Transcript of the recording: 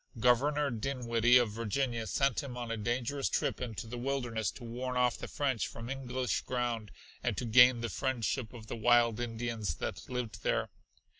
Governor Dinwiddie of Virginia sent him on a dangerous trip into the wilderness to warn off the French from English ground and to gain the friendship of the wild Indians that lived there.